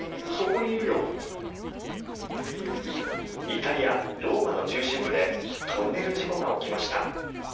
イタリア・ローマの中心部でトンネル事故が起きました。